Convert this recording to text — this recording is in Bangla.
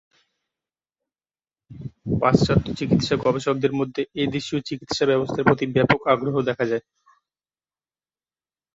পাশ্চাত্য চিকিৎসা গবেষকদের মধ্যে এ দেশিয় চিকিৎসা ব্যবস্থার প্রতি ব্যাপক আগ্রহ দেখা যায়।